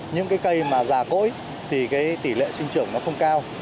những cái cây mà già cỗi thì cái tỷ lệ sinh trưởng nó không cao